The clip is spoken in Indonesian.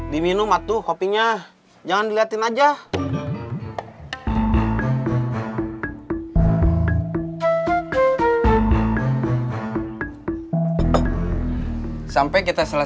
dia masih masih